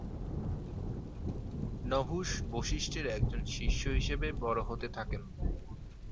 নহুষ, বশিষ্ঠের একজন শিষ্য হিসেবে বড়ো হতে থাকেন।